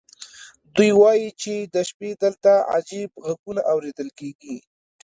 دوی وایي چې د شپې دلته عجیب غږونه اورېدل کېږي.